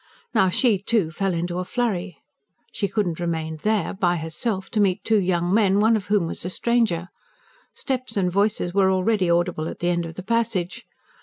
Now, she, too, fell into a flurry. She could not remain there, by herself, to meet two young men, one of whom was a stranger: steps and voices were already audible at the end of the passage.